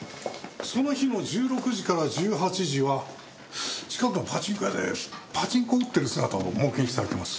その日の１６時から１８時は近くのパチンコ屋でパチンコを打ってる姿を目撃されてます。